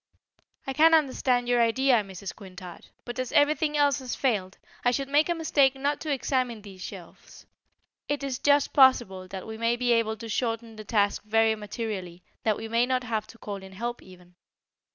"I can understand your idea, Mrs. Quintard, but as everything else has failed, I should make a mistake not to examine these shelves. It is just possible that we may be able to shorten the task very materially; that we may not have to call in help, even.